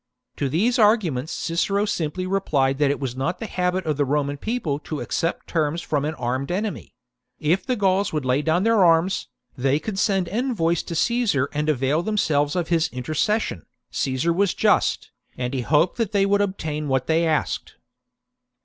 To these arguments Cicero simply replied that it was not the habit of the Roman People to accept terms from an armed enemy : if the Gauls would lay down their arms, they could send envoys to Caesar and avail themselves of his intercession ; Caesar was just, and he hoped that they would obtain what they asked.